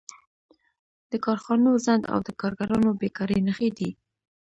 د کارخانو ځنډ او د کارګرانو بېکاري نښې دي